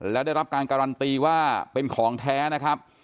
และได้รับการการันตีว่าเป็นของแท้นะครับ